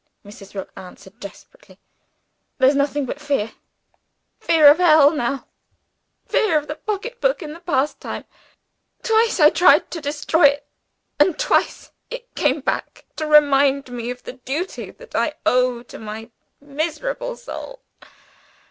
Mrs. Rook answered desperately. "There's nothing but fear fear of hell now; fear of the pocketbook in the past time. Twice I tried to destroy it and twice it came back, to remind me of the duty that I owed to my miserable soul.